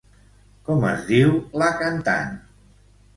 Com es diu la cantant?